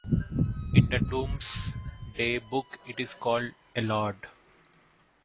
In the Domesday Book it is called alod.